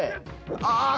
ああ。